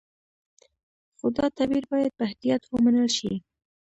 خو دا تعبیر باید په احتیاط ومنل شي.